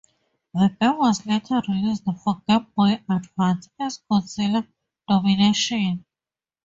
The game was later released for Game Boy Advance as Godzilla: Domination!